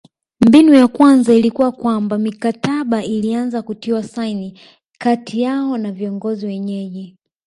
Mbinu ya kwanza ilikuwa kwamba mikataba ilianza kutiwa saini kati yao na viongozi wenyeji